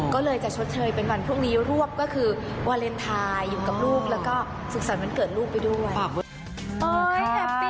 ก็เลยจะชดเชยเป็นวันพรุ่งนี้รวบก็คือวาเลนไทยอยู่กับลูกแล้วก็สุขสรรค์วันเกิดลูกไปด้วย